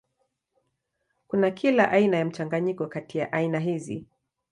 Kuna kila aina ya mchanganyiko kati ya aina hizi.